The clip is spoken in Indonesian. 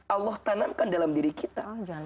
allah tanamkan dalam diri kita